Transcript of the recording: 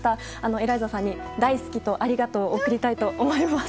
エライザさんに、大好きとありがとうを贈りたいと思います。